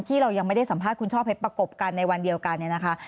ที่เรายังไม่ได้สัมภาษณ์คุณช่อเพชรประกบกันในวันเดียวกันเนี่ยนะคะ